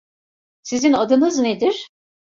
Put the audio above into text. Sizin adınız nedir?